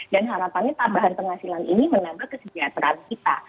dan harapannya tambahan penghasilan ini menambah kesejahteraan kita